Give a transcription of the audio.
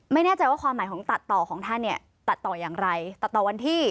ไม่แน่ใจว่าความหมายของตัดต่อของท่านเนี่ยตัดต่ออย่างไรตัดต่อวันที่